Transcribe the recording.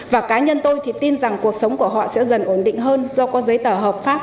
và cá nhân tôi thì tin rằng cuộc sống của họ sẽ dần ổn định hơn do có giấy tờ hợp pháp